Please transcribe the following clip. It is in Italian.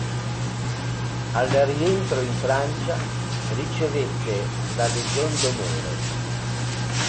Al rientro in Francia ricevette la Legion d'onore.